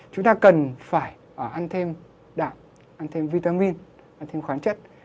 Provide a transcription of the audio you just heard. chúng ta cần phải ăn thêm đạm ăn thêm vitamin ăn thêm khoáng chất